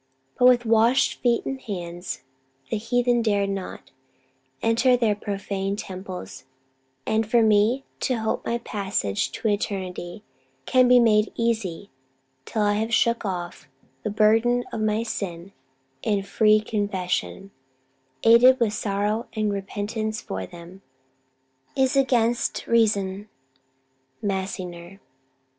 But with washed feet and hands, the heathen dared not Enter their profane temples: and for me To hope my passage to eternity Can be made easy, till I have shook off The burthen of my sins in free confession, Aided with sorrow and repentance for them, Is against reason." MASSINGER.